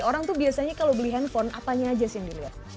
orang tuh biasanya kalau beli handphone apanya aja sih yang dilihat